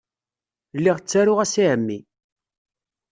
Lliɣ ttaruɣ-as i ɛemmi.